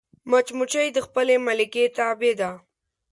مچمچۍ د خپلې ملکې تابع ده